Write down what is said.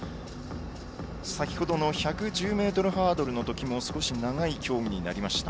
先ほどの１１０ｍハードルのときも長い協議になりました。